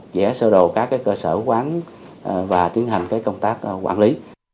dẻ sơ đồ các cơ sở quán và tiến hành công tác quản lý